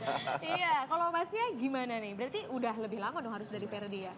iya kalau masnya gimana nih berarti udah lebih lama dong harus dari perdi ya